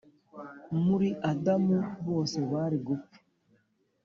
muri Adamu bose bari gupfa